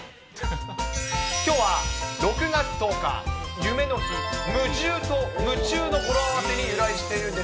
きょうは６月１０日、夢の日、むじゅうと夢中の語呂合わせに由来しているんです。